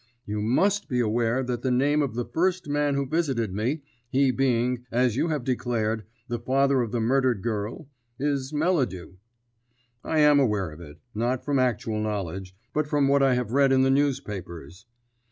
"You must be aware that the name of the first man who visited me he being, as you have declared, the father of the murdered girl is Melladew." "I am aware of it, not from actual knowledge, but from what I have read in the newspapers."